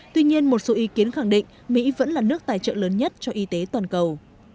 tuy nhiên một số ý kiến khẳng định mỹ vẫn là nước tài trợ lớn nhất cho y tế toàn cầu